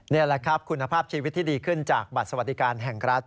นี่แหละครับคุณภาพชีวิตที่ดีขึ้นจากบัตรสวัสดิการแห่งรัฐ